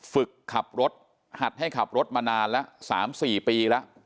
ฝึกขับรถหัดให้ขับรถมานาน๓๔ปีละ